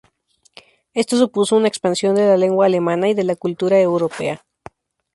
Esto supuso una expansión de la lengua alemana y de la cultura europea.